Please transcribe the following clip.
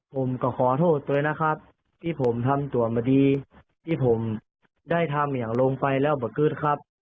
ผมก็ขอโทษเลยนะครับที่ผมทำตัวมาดีที่ผมได้ทำอย่างลงไปแล้วบังเกิดครับ